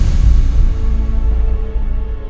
mengetahui hubungan antara kaka dan adik yang sebenarnya